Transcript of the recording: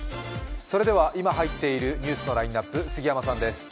それでは今入っているニュースのラインナップ、杉山さんです。